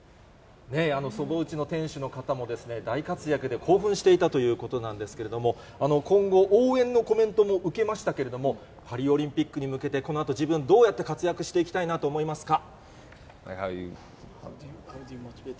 そば打ちの店主の方も大活躍で興奮していたということなんですけれども、今後、応援のコメントも受けましたけれども、パリオリンピックに向けて、このあと、自分どうやって活躍していきたいなと思いますか？